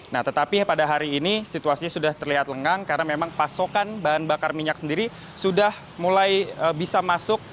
nah tetapi pada hari ini situasinya sudah terlihat lengang karena memang pasokan bahan bakar minyak sendiri sudah mulai bisa masuk